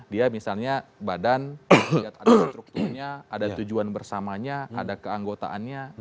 dia misalnya badan lihat ada strukturnya ada tujuan bersamanya ada keanggotaannya